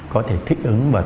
có thể thích ứng và